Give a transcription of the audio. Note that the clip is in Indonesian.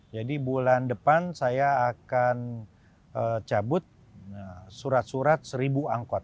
jadi bulan depan saya akan cabut surat surat seribu angkot